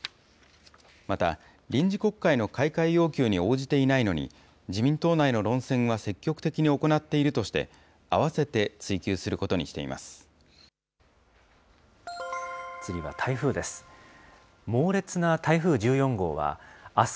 また、臨時国会の開会要求に応じていないのに、自民党内の論戦は積極的に行っているとして、併せて追及することにしています。